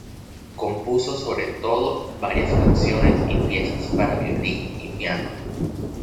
Compuso sobre todo varias canciones y piezas para violín y piano.